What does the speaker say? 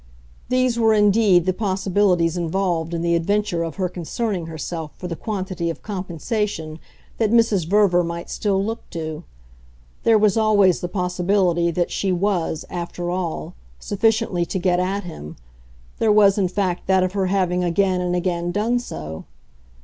These were indeed the possibilities involved in the adventure of her concerning herself for the quantity of compensation that Mrs. Verver might still look to. There was always the possibility that she WAS, after all, sufficiently to get at him there was in fact that of her having again and again done so.